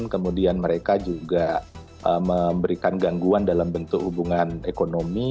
kemudian mereka juga memberikan gangguan dalam bentuk hubungan ekonomi